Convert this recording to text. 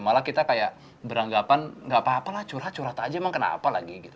malah kita kayak beranggapan gak apa apa lah curhat curhat aja emang kenapa lagi gitu